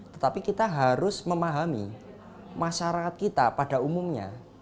tetapi kita harus memahami masyarakat kita pada umumnya